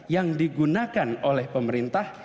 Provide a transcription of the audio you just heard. yang digunakan oleh pemerintah